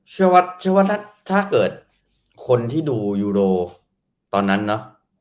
เชื่อว่าถ้าเกิดคนที่ดูยูโรตอนนั้นเนอะ